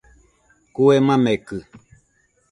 Kue makekɨ